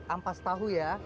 ampas tahu ya